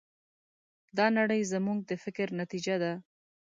دا نړۍ زموږ د فکر نتیجه ده.